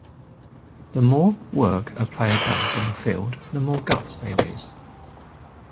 The more work a player does on the field, the more guts they lose.